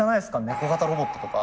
猫型ロボットとか。